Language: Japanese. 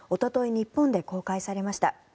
日本で公開されました。